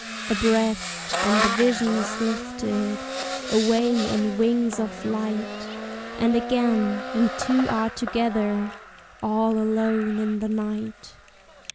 A breath, and the vision is lifted Away on wings of light, And again we two are together, All alone in the night.